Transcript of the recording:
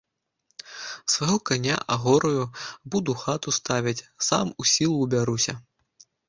Свайго каня агораю, буду хату ставіць, сам у сілу ўбяруся.